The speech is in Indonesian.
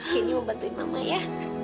candy mau bantuin mama ya